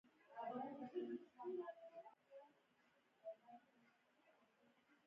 په اول قدم کي باید تاسو واټ ولټ او A امپري وپيژني